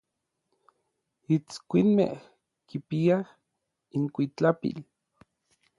Itskuinmej kipiaj inkuitlapil.